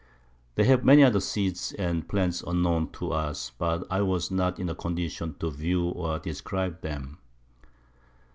They have many other Seeds and Plants unknown to us, but I was not in a condition to view or describe them.